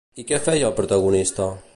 I què feia el protagonista?